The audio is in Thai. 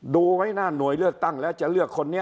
ดูไว้หน้าหน่วยเลือกตั้งแล้วจะเลือกคนนี้